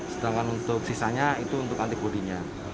sedangkan untuk sisanya itu untuk antibody nya